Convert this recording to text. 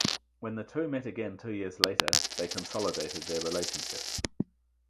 When the two met again two years later, they consolidated their relationship.